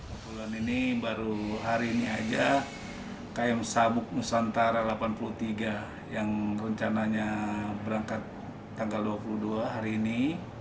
kebetulan ini baru hari ini aja km sabuk nusantara delapan puluh tiga yang rencananya berangkat tanggal dua puluh dua hari ini